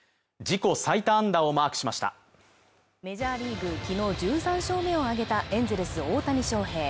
自己最多安打をマークしましたメジャーリーグ昨日１３勝目を挙げたエンゼルス大谷翔平